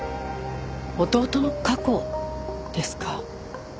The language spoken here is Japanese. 弟の過去ですか？